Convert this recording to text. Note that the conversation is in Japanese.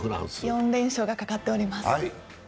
４連勝がかかっております。